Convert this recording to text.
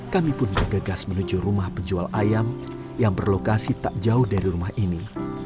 kami pun bergegas menuju rumah penjual ayam yang berlokasi tak jauh dari rumah ini